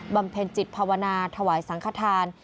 เพ็ญจิตภาวนาถวายสังขทาน